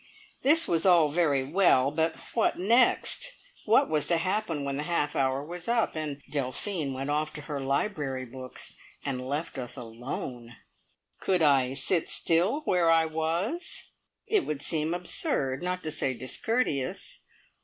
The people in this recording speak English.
This was all very well, but what next? What was to happen when the half hour was up, and Delphine went off to her library books and left us alone? Could I sit still where I was? It would seem absurd, not to say discourteous.